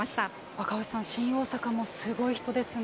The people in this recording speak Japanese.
赤星さん、新大阪もすごい人ですね。